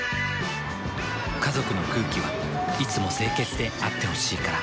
家族の空気はいつも清潔であってほしいから。